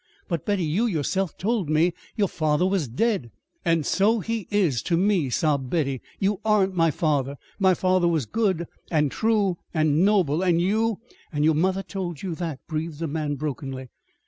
But, Betty, you yourself told me your father was dead!" "And so he is to me," sobbed Betty. "You aren't my father. My father was good and true and noble and you " "And your mother told you that?" breathed the man, brokenly.